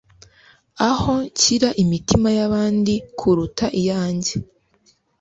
Aho nshyira imitima yabandi kuruta iyanjye